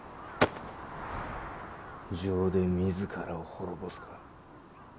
情で自らを滅ぼすか？